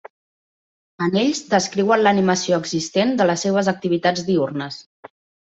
En ells descriuen l'animació existent de les seves activitats diürnes.